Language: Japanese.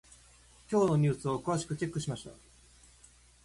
今日のニュースを詳しくチェックしました。